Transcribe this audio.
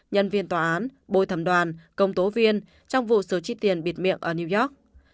nhân viên tòa án bồi thầm đoàn công tố viên trong vụ sửa chi tiền bịt miệng ở new york